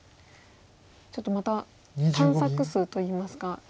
ちょっとまた探索数といいますか。